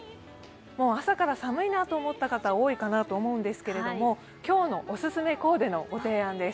朝から寒いなと思った方、多いと思うんですが今日のオススメコーデのご提案です。